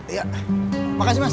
iya makasih mas